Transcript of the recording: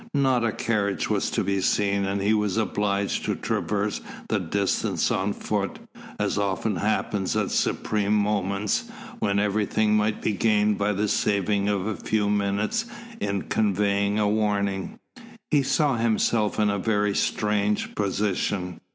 Not a carriage was to be seen, and he was obliged to traverse the distance on foot, as often happens at supreme moments, when everything might be gained by the saving of a few minutes in conveying a warning. He saw himself in a very strange position.